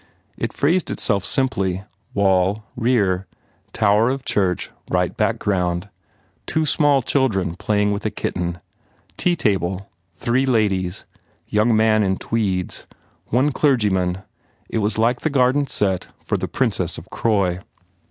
It phrased it self simply. Wall, rear. Tower of church, right background. Two small children play ing with a kitten. Tea table. Three ladies. Young man in tweeds. One clergyman. It was like the garden set for the "Princess of Croy."